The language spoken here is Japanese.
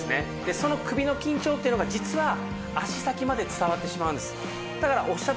その首の緊張っていうのが実は足先まで伝わってしまうんです。